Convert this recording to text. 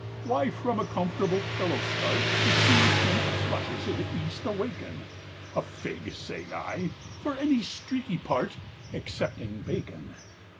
Why from a comfortable pillow start To see faint flushes in the east awaken? A fig, say I, for any streaky part, Excepting bacon.